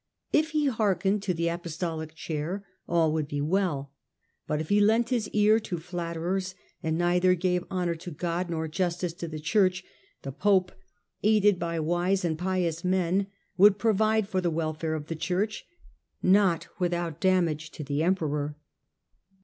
If he hearkened to the apostolic chair, all would be well, but if he lent his ear to flatterers, and neither gave honour to God nor did justice to the Church, the pope, aided by wise and pious men, would provide for the welfare of the Church, not without damage to the emperor.'